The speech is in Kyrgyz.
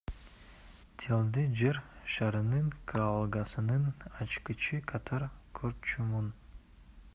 Тилди Жер шарынын каалгасынын ачкычы катары көрчүмүн.